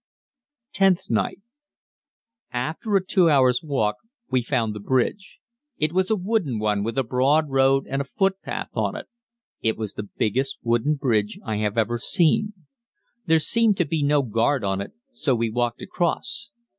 Tenth Night. After a two hours' walk we found the bridge. It was a wooden one, with a broad road and a footpath on it. It was the biggest wooden bridge I have ever seen. There seemed to be no guard on it, so we walked across.